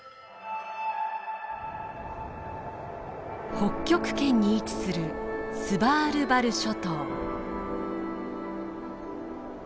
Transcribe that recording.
北極圏に位置するスバールバル諸島。